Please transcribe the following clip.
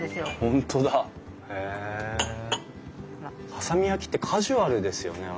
波佐見焼ってカジュアルですよね。